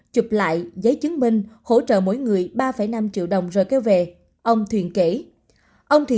chụp lại giấy chứng minh hỗ trợ mỗi người ba năm triệu đồng rồi kêu về ông thuyền kể